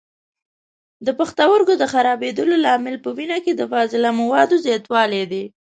د پښتورګو د خرابېدلو لامل په وینه کې د فاضله موادو زیاتولی دی.